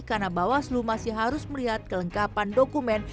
karena bawaslu masih harus melihat kelengkapan dokumen